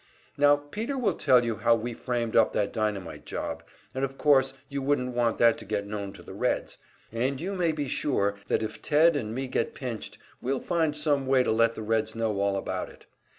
"Now Peter will tell you how we framed up that dynamite job, and of course you wouldn't want that to get known to the Reds, and you may be sure that if Ted and me get pinched, we'll find some way to let the Reds know all about it.